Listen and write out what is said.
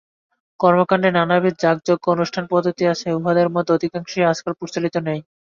কর্মকাণ্ডে নানাবিধ যাগযজ্ঞ ও অনুষ্ঠানপদ্ধতি আছে, উহাদের মধ্যে অধিকাংশই আজকাল প্রচলিত নাই।